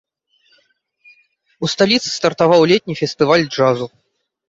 У сталіцы стартаваў летні фестываль джазу.